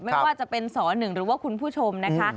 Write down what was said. ไม่ว่าจะเป็นสหนึ่งหรือว่าคุณผู้ชมนะคะ